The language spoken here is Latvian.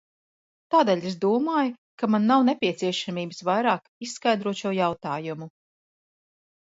Tādēļ es domāju, ka man nav nepieciešamības vairāk izskaidrot šo jautājumu.